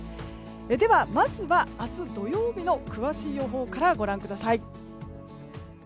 では、まずは明日土曜日の詳しい予報からご覧ください。